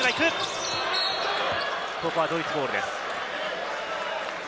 ここはドイツボールです。